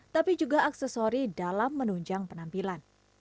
tapi juga aksesori dalam menunjang penampilan